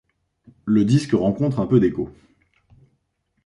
Le disque rencontre peu d'écho.